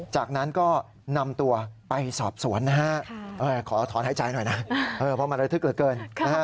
จากนั้นก็นำตัวไปสอบสวนนะฮะขอถอนหายใจหน่อยนะเพราะมันระทึกเหลือเกิน